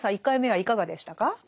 １回目はいかがでしたか？